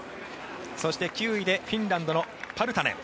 そして、９位でフィンランドのパルタネン。